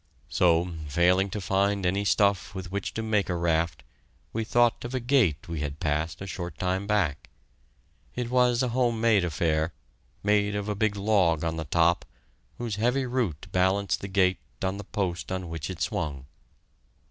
So, failing to find any stuff with which to make a raft, we thought of a gate we had passed a short time back. It was a home made affair, made of a big log on the top, whose heavy root balanced the gate on the post on which it swung.